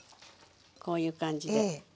こういう感じではい。